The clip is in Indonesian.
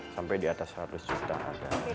sampai di atas seratus jutaan